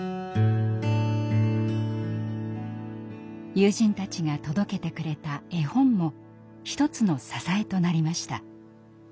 友人たちが届けてくれた絵本も一つの支えとなりました。